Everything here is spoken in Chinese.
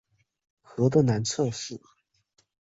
河的南侧是。